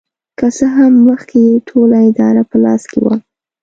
که څه هم مخکې یې ټوله اداره په لاس کې وه.